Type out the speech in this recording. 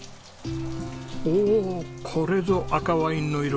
おおこれぞ赤ワインの色。